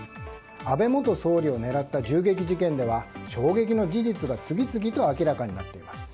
安倍元総理を狙った銃撃事件では衝撃の事実が次々と明らかになっています。